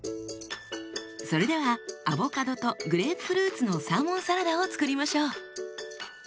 それではアボカドとグレープフルーツのサーモンサラダを作りましょう。